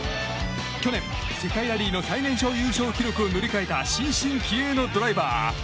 去年、世界ラリーの最年少優勝記録を塗り替えた新進気鋭のドライバー。